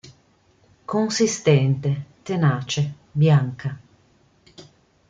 Consistente, tenace, bianca.